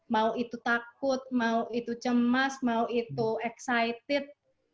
mau itu takut mau itu cemas mau itu excited